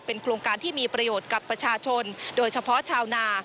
โครงการที่มีประโยชน์กับประชาชนโดยเฉพาะชาวนา